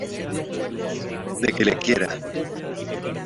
de que le quiera .